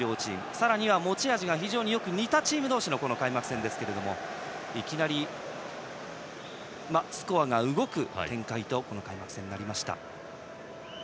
さらには持ち味が非常に似たチーム同士の開幕戦ですがいきなりスコアが動く展開となりました。